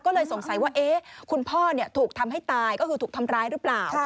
ก็เลยสงสัยว่าคุณพ่อถูกทำให้ตายก็คือถูกทำร้ายหรือเปล่า